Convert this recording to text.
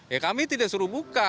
ya kami tidak suruh buka